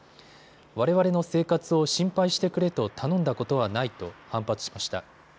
われわれの生活を心配してくれと頼んだことはないと反発しました。